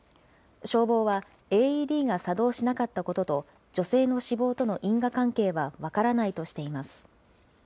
消防はＡＥＤが作動しなかったことと、女性の死亡との因果関係は分からないとしています。